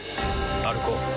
歩こう。